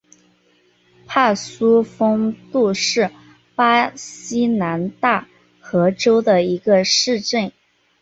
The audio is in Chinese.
帕苏丰杜是巴西南大河州的一个市镇。